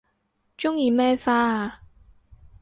鍾意咩花啊